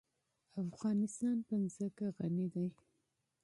افغانستان په ځمکه غني دی.